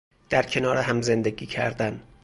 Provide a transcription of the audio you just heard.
در کنار هم زندگی کردن